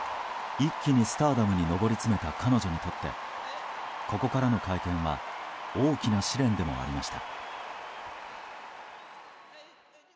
一気にスターダムに上り詰めた彼女にとってここからの会見は大きな試練でもありました。